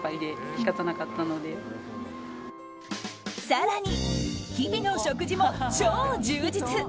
更に、日々の食事も超充実。